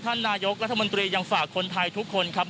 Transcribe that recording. ท่านนายกรัฐมนตรียังฝากคนไทยทุกคนครับ